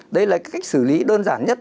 đấy là cách xử lý đơn giản nhất